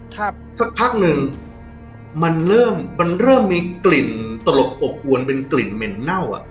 สักพักหนึ่งมันเริ่มมันเริ่มมีกลิ่นตลบอบอวนเป็นกลิ่นเหม็นเน่าอ่ะ